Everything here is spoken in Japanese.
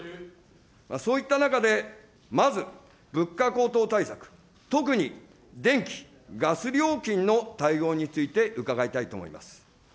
そういった中でまず物価高騰対策、特に電気・ガス料金の対応について伺いたいと思います。